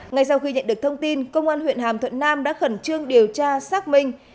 ngay sau khi nhận được thông tin công an huyện hàm thuận nam đã khẩn trương điều tra xác minh